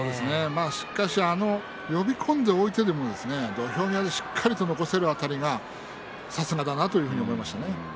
しかし呼び込んでおいても土俵際でしっかり残せる辺りがさすがだなと思いましたね。